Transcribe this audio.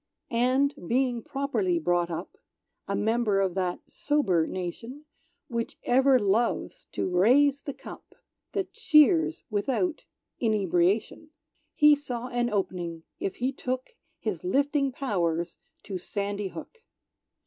And, being properly brought up, A member of that sober nation, Which ever loves to raise the cup That cheers without inebriation, He saw an op'ning if he took His lifting pow'rs to Sandy Hook.